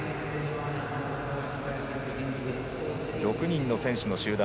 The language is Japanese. ６人の選手の集団。